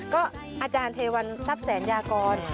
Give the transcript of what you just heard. ก็อาจารย์เทวันทรัพย์แสนยากร